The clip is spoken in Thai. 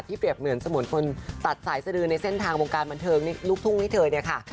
เปรียบเหมือนสมุนคนตัดสายสดือในเส้นทางวงการบันเทิงลูกทุ่งให้เธอเนี่ยค่ะ